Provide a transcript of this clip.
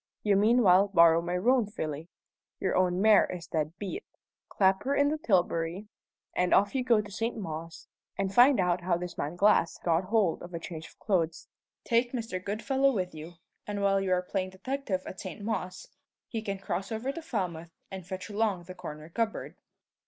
You meanwhile borrow my roan filly your own mare is dead beat clap her in the tilbury, and off you go to St. Mawes, and find out how this man Glass got hold of a change of clothes. Take Mr. Goodfellow with you, and while you are playing detective at St. Mawes, he can cross over to Falmouth and fetch along the corner cupboard.